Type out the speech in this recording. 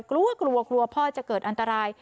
กลัวกลัวพ่อจะเกิดอันตราย